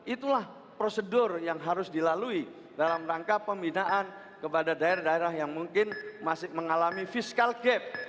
itulah prosedur yang harus dilalui dalam rangka pembinaan kepada daerah daerah yang mungkin masih mengalami fiskal gap